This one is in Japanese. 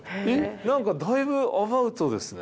何かだいぶアバウトですね。